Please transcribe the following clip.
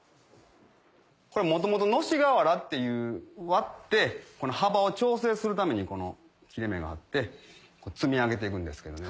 これ元々のし瓦っていう割って幅を調整するためにこの切れ目があって積み上げていくんですけどね。